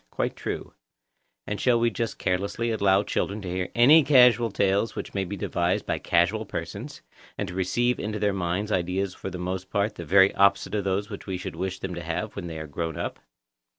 Quite true. And shall we just carelessly allow children to hear any casual tales which may be devised by casual persons, and to receive into their minds ideas for the most part the very opposite of those which we should wish them to have when they are grown up?